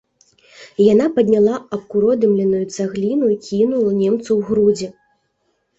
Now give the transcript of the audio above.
Яна падняла абкуродымленую цагліну і кінула немцу ў грудзі.